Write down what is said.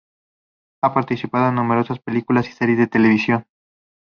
Ha participado en numerosas películas y series de televisión